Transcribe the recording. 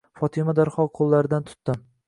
Fotima darhol qo'llaridan tutdi.